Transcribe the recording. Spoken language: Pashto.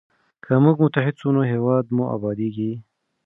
که موږ متحد سو نو هیواد مو ابادیږي.